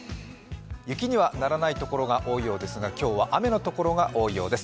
雪にはならないところが多いようですが今日は雨のところが多いようです。